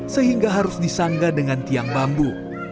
sehingga harus disanggah dengan tiang bambu